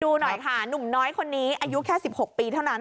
ดูหน่อยค่ะหนุ่มน้อยคนนี้อายุแค่๑๖ปีเท่านั้น